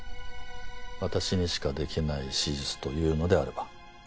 私にしかできない手術というのであれば。